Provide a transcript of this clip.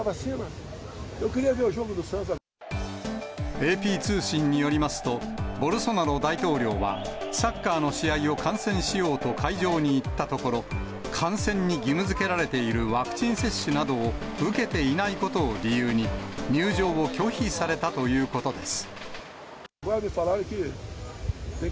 ＡＰ通信によりますと、ボルソナロ大統領は、サッカーの試合を観戦しようと会場に行ったところ、観戦に義務づけられているワクチン接種などを受けていないことを理由に、入場を拒否されたということです。